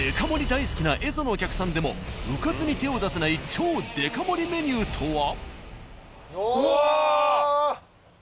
大好きな「蝦夷」のお客さんでもうかつに手を出せない超デカ盛りメニューとは！？うわ！！